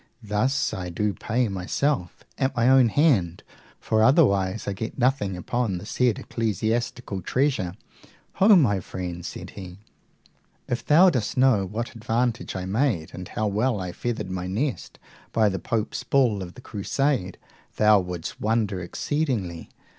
Thus I do pay myself at my own hand, for otherwise I get nothing upon the said ecclesiastical treasure. Ho, my friend! said he, if thou didst know what advantage I made, and how well I feathered my nest, by the Pope's bull of the crusade, thou wouldst wonder exceedingly.